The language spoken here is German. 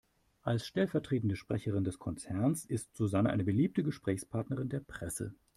Als stellvertretende Sprecherin des Konzerns ist Susanne eine beliebte Gesprächspartnerin der Presse.